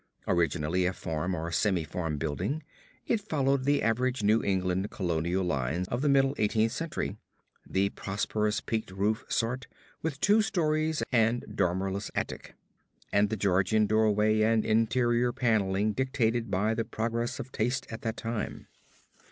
Originally a farm or semi farm building, it followed the average New England colonial lines of the middle Eighteenth Century the prosperous peaked roof sort, with two stories and dormerless attic, and with the Georgian doorway and interior panelling dictated by the progress of taste at that time.